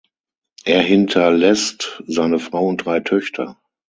Er hinterlässt seine Frau und drei Töchter.